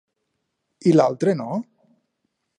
I l'altre no?